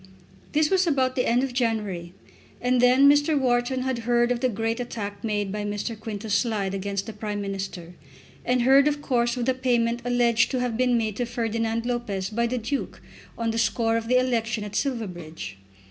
This was about the end of January, and then Mr. Wharton heard of the great attack made by Mr. Quintus Slide against the Prime Minister, and heard, of course, of the payment alleged to have been made to Ferdinand Lopez by the Duke on the score of the election at Silverbridge.